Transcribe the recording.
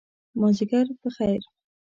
مازدیګر په خیر !